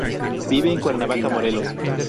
Vive en Cuernavaca, Morelos.